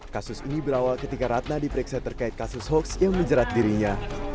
kasus ini berawal ketika ratna diperiksa terkait kasus hoaks yang menjerat dirinya